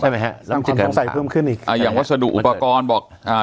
ฮะแล้วจริงต้องใส่เพิ่มขึ้นอีกอ่าอย่างวัสดุอุปกรณ์บอกอ่า